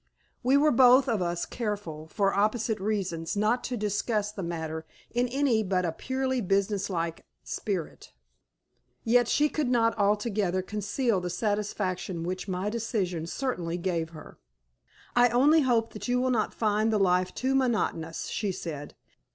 We were both of us careful, for opposite reasons, not to discuss the matter in any but a purely businesslike spirit. Yet she could not altogether conceal the satisfaction which my decision certainly gave her. "I only hope that you will not find the life too monotonous," she said.